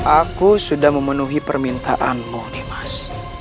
aku sudah memenuhi permintaanmu nimas